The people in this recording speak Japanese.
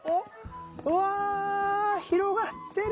うわ広がってる。